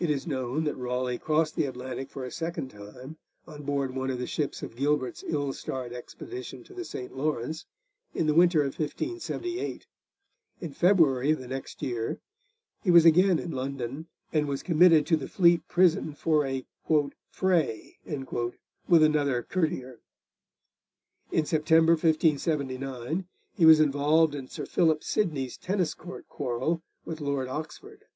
It is known that Raleigh crossed the Atlantic for a second time on board one of the ships of Gilbert's ill starred expedition to the St. Lawrence in the winter of 1578. In February of the next year he was again in London, and was committed to the Fleet Prison for a 'fray' with another courtier. In September 1579, he was involved in Sir Philip Sidney's tennis court quarrel with Lord Oxford.